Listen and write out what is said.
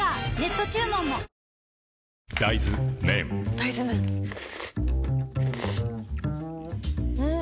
大豆麺ん？